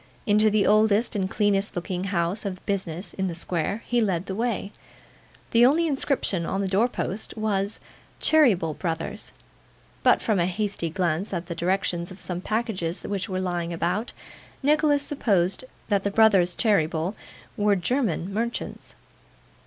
Into the oldest and cleanest looking house of business in the square, he led the way. The only inscription on the door post was 'Cheeryble, Brothers;' but from a hasty glance at the directions of some packages which were lying about, Nicholas supposed that the brothers Cheeryble were German merchants.